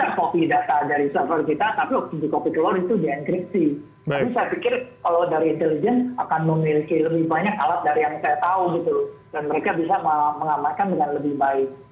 dan mereka bisa mengamalkan dengan lebih baik